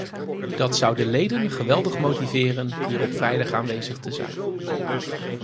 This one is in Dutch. Dat zou de leden geweldig motiveren hier op vrijdag aanwezig te zijn.